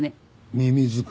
ミミズか。